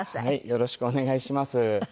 よろしくお願いします。